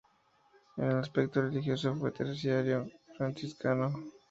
En el aspecto religioso, fue terciario franciscano.